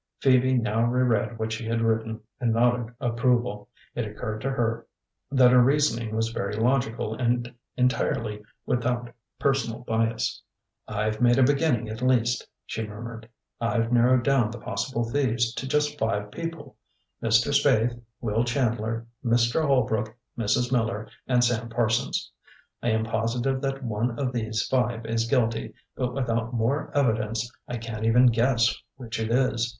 Phoebe now reread what she had written and nodded approval. It occurred to her that her reasoning was very logical and entirely without personal bias. "I've made a beginning, at least," she murmured. "I've narrowed down the possible thieves to just five people: Mr. Spaythe, Will Chandler, Mr. Holbrook, Mrs. Miller and Sam Parsons. I am positive that one of these five is guilty, but without more evidence I can't even guess which it is.